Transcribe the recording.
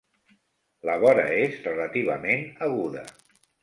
La vora és relativament aguda.